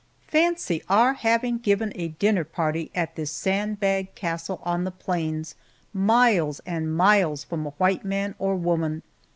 FANCY our having given a dinner party at this sand bag castle on the plains, miles and miles from a white man or woman!